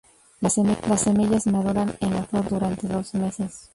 Las semillas maduran en la flor durante dos meses.